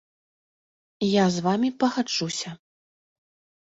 Я з вамі пагаджуся.